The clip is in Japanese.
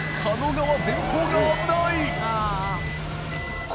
輒鄲前方が危ない！